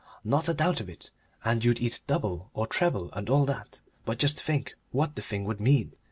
"Not a doubt of it. And you'd eat double or treble and all that. But just think what the thing would mean.